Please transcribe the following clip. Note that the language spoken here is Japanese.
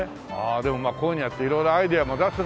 でもこういうふうにやって色々アイデアも出すのはね。